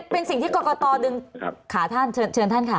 เป็นสิ่งที่กรกตดึงขาท่านเชิญท่านค่ะ